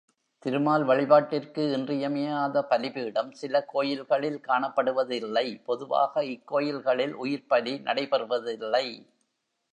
திருமால் வழிபாட்டிற்கு இன்றியமையாத பலிபீடம் சில கோயில்களில் காணப்படுவதில்லை, பொதுவாக இக் கோயில்களில் உயிர்ப் பலி நடைபெறுவதில்லை.